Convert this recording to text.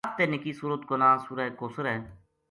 سب تے نکی سورت کو ناں سورۃ کوثر ہے۔